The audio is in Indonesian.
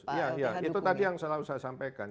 iya itu tadi yang selalu saya sampaikan